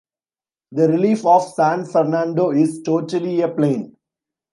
The relief of San Fernando is totally a plain.